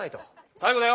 最後だよ。